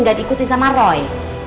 gak diikuti sama roy